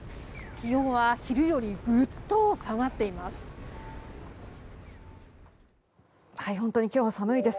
気温は昼よりぐっと下がっています。